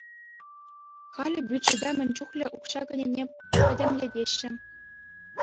Халӗ бюджета мӗн чухлӗ укҫа кӗнине пӗтӗмлетеҫҫӗ.